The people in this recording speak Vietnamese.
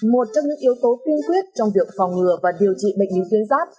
một trong những yếu tố tuyên quyết trong việc phòng ngừa và điều trị bệnh lý tuyên giáp